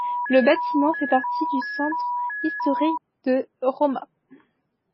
Le bâtiment fait partie du centre historique de Rauma.